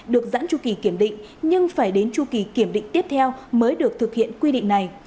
được giãn tru kỳ kiểm định nhưng phải đến chu kỳ kiểm định tiếp theo mới được thực hiện quy định này